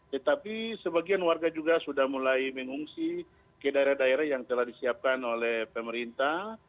tetapi sebagian warga juga sudah mulai mengungsi ke daerah daerah yang telah disiapkan oleh pemerintah